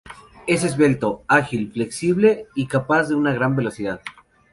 Es esbelto, ágil, flexible y capaz de una gran velocidad.